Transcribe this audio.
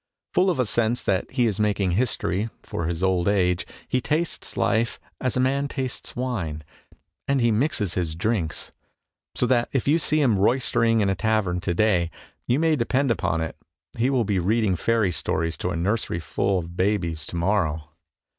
Full of a sense that he is making history for his old age, he tastes life as a man tastes wine, and he mixes his drinks ; so that if you see him roystering in a tavern to day you may depend upon it he will be reading fairy stories to a nursery ful of babies to morrow.